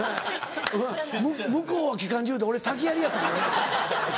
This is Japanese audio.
向こうは機関銃で俺竹やりやったからな。